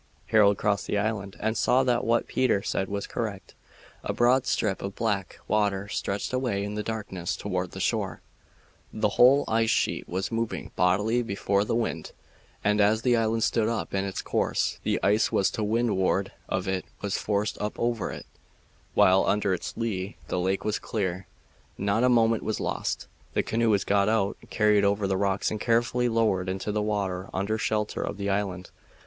Harold crossed the island and saw that what Peter said was correct. A broad strip of black water stretched away in the darkness toward the shore. The whole ice sheet was moving bodily before the wind, and as the island stood up in its course the ice to windward of it was forced up over it, while under its lee the lake was clear. Not a moment was lost. The canoe was got out, carried over the rocks, and carefully lowered into the water under shelter of the island.